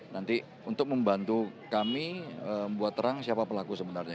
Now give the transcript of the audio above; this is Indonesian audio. nanti untuk membantu kami membuat terang siapa pelaku sebenarnya